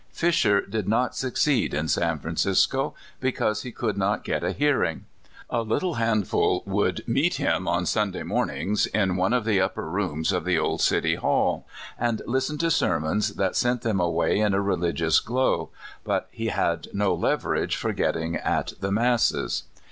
Fisher did not succeed in San Francisco, be cause he could not get a hearing. A little hand ful would meet him on Sunday mornings in one of the upper rooms of the old City Hall, and listen to sermons that sent them away in a religious glow, but he had no leverage for getting at the masses.